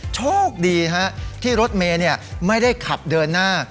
โชคดีที่รถเมย์ไม่ได้ขับเดินหน้า